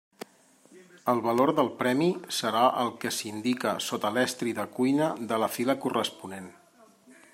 El valor del premi serà el que s'indica sota l'estri de cuina de la fila corresponent.